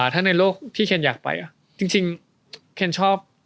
ถ้าในโลกที่เคนอยากไปจริงเคนชอบ